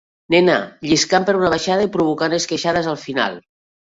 Nena, lliscant per una baixada i provocant esquitxades, al final.